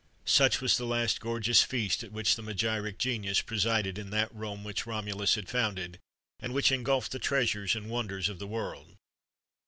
Such was the last gorgeous feast at which the magiric genius presided in that Rome which Romulus had founded, and which engulfed the treasures and wonders of the world.